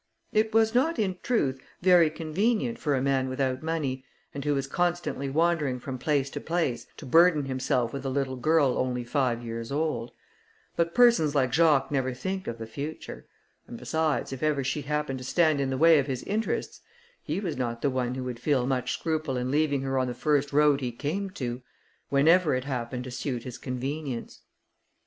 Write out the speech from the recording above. It was not, in truth, very convenient for a man without money, and who was constantly wandering from place to place, to burden himself with a little girl only five years old; but persons like Jacques never think of the future; and besides, if ever she happened to stand in the way of his interests, he was not one who would feel much scruple in leaving her on the first road he came to, whenever it happened to suit his convenience.